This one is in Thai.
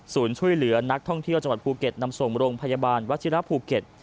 ช่วยเหลือนักท่องเที่ยวจังหวัดภูเก็ตนำส่งโรงพยาบาลวัชิระภูเก็ต